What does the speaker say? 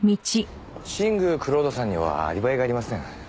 新宮蔵人さんにはアリバイがありません。